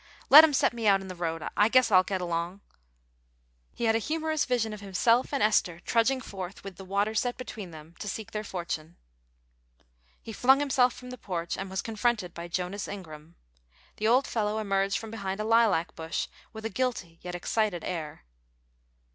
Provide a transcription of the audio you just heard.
"Let 'em set me out in the road; I guess I'll git along." He had a humorous vision of himself and Esther trudging forth, with the water set between them, to seek their fortune. He flung himself from the porch, and was confronted by Jonas Ingram. The old fellow emerged from behind a lilac bush with a guilty yet excited air.